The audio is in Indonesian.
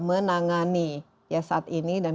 menangani saat ini dan